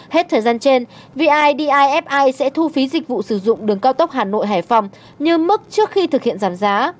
hết thời gian trên vidifi sẽ thu phí dịch vụ sử dụng đường cao tốc hà nội hải phòng như mức trước khi thực hiện giảm giá